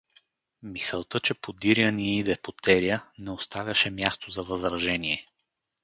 Мисълта, че подиря ни иде потеря, не оставаше място за възражение.